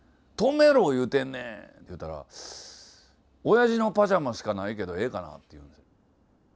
「とめろ言うてんねん！」って言うたら「おやじのパジャマしかないけどええかな？」って言うんですよね。